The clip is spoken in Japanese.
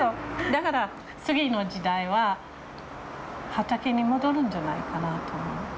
だから次の時代は畑に戻るんじゃないかなと思う。